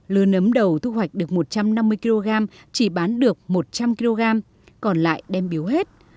lưa nấm đầu thu hoạch được một trăm năm mươi kg chỉ bán được một trăm linh kg còn lại đem biếu hết